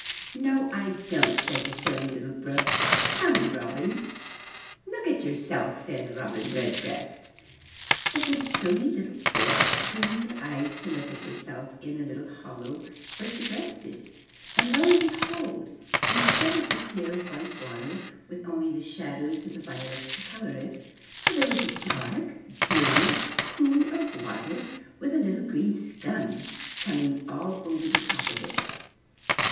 ''No, I don't," said the Silly Little Brook. "Tell me, Robin." "Look for yourself," said Robin Redbreast. So the Silly Little Brook turned her eyes to look at herself in the little hollow where she had rested and, lo and behold, instead of the clear, white water, with only the shadows of the violets to color it, why, there was a dark, dirty pool of water with a little green scum coming all over the top of it.